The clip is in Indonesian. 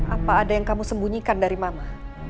apa ada yang kamu sembunyikan dari mama